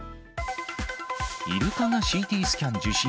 イルカがＣＴスキャン受診。